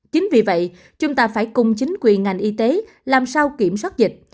chính vì vậy chúng ta phải cùng chính quyền ngành y tế làm sao kiểm soát dịch